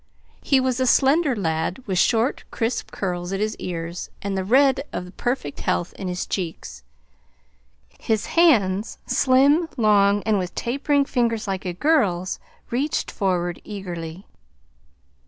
He was a slender lad with short, crisp curls at his ears, and the red of perfect health in his cheeks. His hands, slim, long, and with tapering fingers like a girl's, reached forward eagerly.